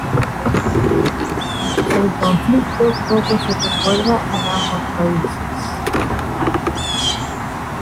El conflicto poco se recuerda en ambos países.